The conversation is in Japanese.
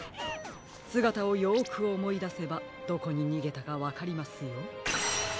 すがたをよくおもいだせばどこににげたかわかりますよ。